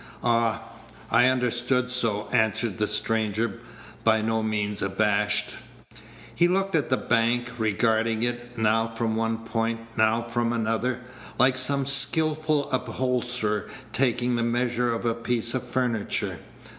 "Ah! I understood so," answered the stranger, by no means abashed. He looked at the bank, regarding it, now from one point, now from another, like some skilful upholsterer taking the measure of a piece of furniture.